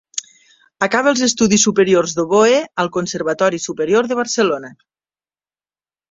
Acaba els estudis superiors d'oboè al Conservatori Superior de Barcelona.